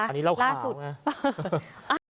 อันนี้เล่าข่าวไง